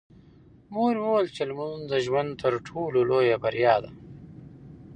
مور مې وویل چې لمونځ د ژوند تر ټولو لویه بریا ده.